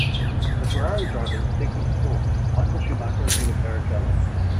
The Ferrari drivers second and fourth; Michael Schumacher ahead of Barrichello.